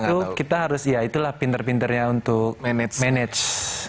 itu kita harus ya itulah pinter pinternya untuk manage